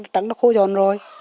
trắng nó khô giòn rồi